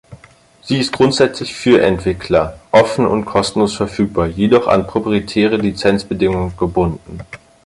Sie ist grundsätzlich für Entwickler offen und kostenlos verfügbar, jedoch an proprietäre Lizenzbedingungen gebunden.